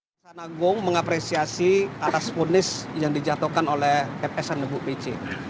kejaksaan agung mengapresiasi atas ponis yang dijatuhkan oleh ppsnuhu pc